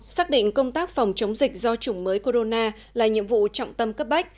xác định công tác phòng chống dịch do chủng mới corona là nhiệm vụ trọng tâm cấp bách